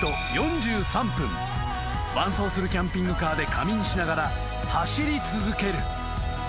［伴走するキャンピングカーで仮眠しながら走り続ける］